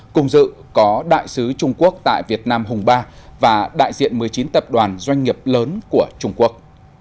cùng dự có đại sứ trung quốc tại việt nam hùng ba và đại diện một mươi chín tập đoàn doanh nghiệp lớn của trung quốc